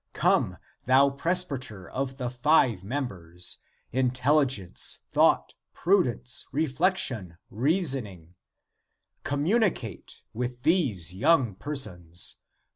^ Come, thou presbyter of the five members :^ in telligence, thought, prudence, reflection, reason ing/ Communicate with these young persons!